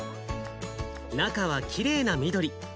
中はきれいな緑。